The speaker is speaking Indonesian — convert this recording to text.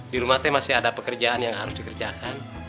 di rumah teh masih ada pekerjaan yang harus dikerjakan